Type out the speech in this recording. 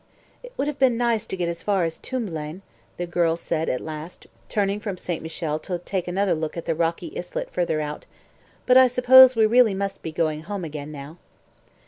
"It would have been nice to get as far as Tombelaine," the girl said at last, turning from St. Michel to take another look at the rocky islet farther out; "but I suppose we really must be going home again now."